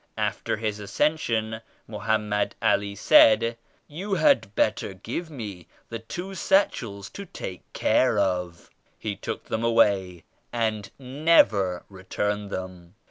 After His Ascension, Mohammed Ali said Tou had bet ter give me the two satchels to take care of,' He took them away and never returned them.